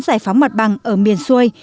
giải phóng mặt bằng ở miền xuôi